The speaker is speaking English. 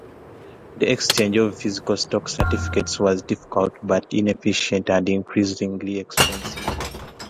The exchange of physical stock certificates was difficult, inefficient, and increasingly expensive.